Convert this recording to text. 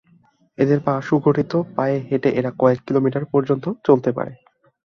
এদের পা খুবই সুগঠিত, পায়ে হেটে এরা কয়েক কিলোমিটার পর্যন্ত চলতে পারে।